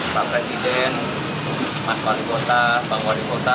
pak presiden mas wali kota bang wali kota